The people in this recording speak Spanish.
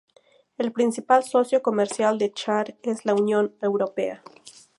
El principal socio comercial de Chad es la Unión Europea.